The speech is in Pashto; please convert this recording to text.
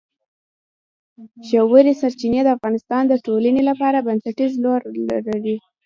ژورې سرچینې د افغانستان د ټولنې لپاره بنسټيز رول لري.